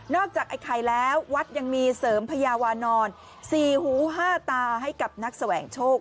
จากไอ้ไข่แล้ววัดยังมีเสริมพญาวานอน๔หูห้าตาให้กับนักแสวงโชค